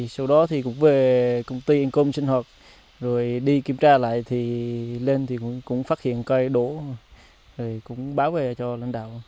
sau đó thì cũng về công ty income sinh hoạt rồi đi kiểm tra lại thì lên thì cũng phát hiện cây đổ rồi cũng bảo vệ cho lãnh đạo